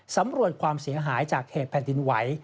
สำรวจความเสียหายจากเหตุแผ่นดินไหว